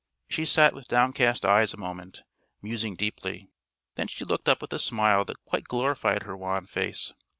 She sat with downcast eyes a moment, musing deeply. Then she looked up with a smile that quite glorified her wan face.